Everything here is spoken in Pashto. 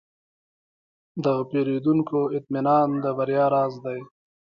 د پیرودونکو اطمینان د بریا راز دی.